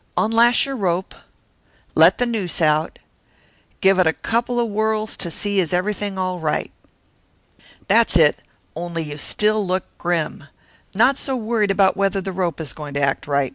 Unlash your rope, let the noose out, give it a couple of whirls to see is everything all right. That's it only you still look grim not so worried about whether the rope is going to act right.